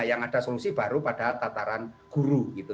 yang ada solusi baru pada tataran guru gitu